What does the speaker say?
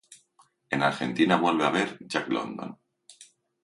En Argentina vuelve a ver a Jack London.